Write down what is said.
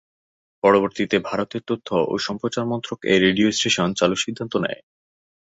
পরবর্তীতে ভারতের তথ্য ও সম্প্রচার মন্ত্রক এই রেডিও স্টেশন চালুর সিদ্ধান্ত নেয়।